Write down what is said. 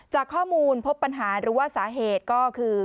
จากข้อมูลพบปัญหาหรือว่าสาเหตุก็คือ